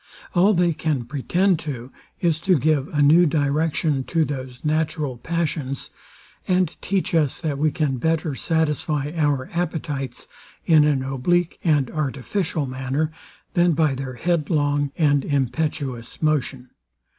All they can pretend to, is, to give a new direction to those natural passions, and teach us that we can better satisfy our appetites in an oblique and artificial manner, than by their headlong and impetuous motion.